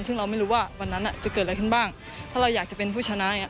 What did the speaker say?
ซึ่งเราไม่รู้ว่าวันนั้นจะเกิดอะไรขึ้นบ้างถ้าเราอยากจะเป็นผู้ชนะเนี่ย